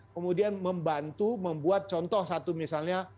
kemudian membantu membuat contoh satu misalnya